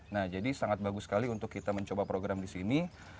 nah jadi sangat bagus sekali untuk kita mencoba program di sini